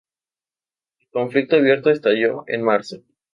El conflicto abierto estalló en marzo.